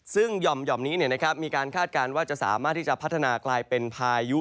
ซึ่งหย่อมนี้มีการคาดการณ์ว่าจะสามารถที่จะพัฒนากลายเป็นพายุ